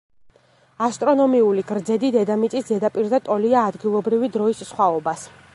ასტრონომიული გრძედი დედამიწის ზედაპირზე ტოლია ადგილობრივი დროის სხვაობას.